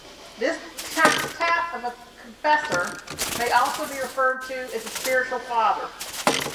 This type of confessor may also be referred to as a spiritual father.